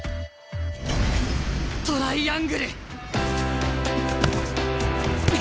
トライアングル！